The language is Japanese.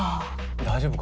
大丈夫か？